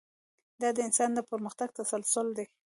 دا د انسان د پرمختګ تسلسل دی.